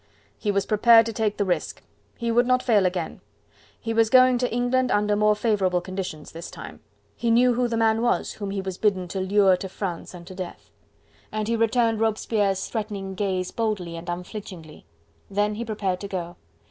he was prepared to take the risk. He would not fail again. He was going to England under more favourable conditions this time. He knew who the man was, whom he was bidden to lure to France and to death. And he returned Robespierre's threatening gaze boldly and unflinchingly; then he prepared to go.